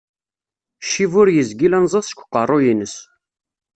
Ccib ur yezgil anẓad seg uqqeru-ines.